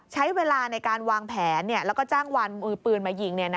ใช้เวลาในการวางแผนแล้วก็จ้างวันมือปืนมายิง